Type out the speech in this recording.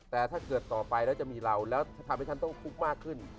แต่ถ้าเกิดต่อไปแล้วจะมีเราแล้วจะทำให้ฉันต้องคุกมากขึ้น